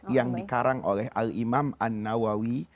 yang dikarang oleh al imam an nawawi